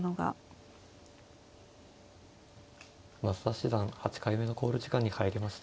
増田七段８回目の考慮時間に入りました。